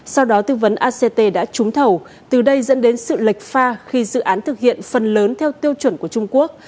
sau đó tư vấn act đã trúng thầu từ đây dẫn đến sự lệch pha khi dự án thực hiện phần lớn theo tiêu chuẩn của trung quốc